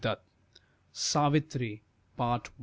SAVITRI. PART I.